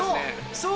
そう。